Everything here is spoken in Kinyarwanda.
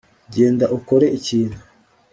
genda ukore ikintu